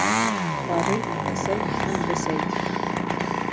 БАРЫЙ, ӘСӘЙ ҺӘМ БЕСӘЙ